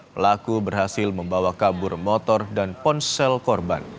pelaku berhasil membawa kabur motor dan ponsel korban